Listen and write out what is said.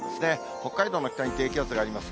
北海道の北に低気圧があります。